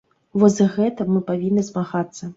Вось, за гэта мы павінны змагацца.